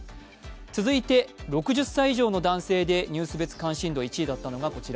続いて６０歳以上の男性でニュース別関心度１位だったのがこちら。